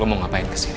lu mau ngapain ke sini